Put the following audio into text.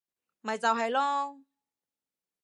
咪就係囉